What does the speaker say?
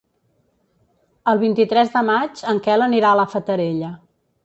El vint-i-tres de maig en Quel anirà a la Fatarella.